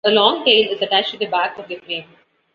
A long tail is attached to the back of the frame.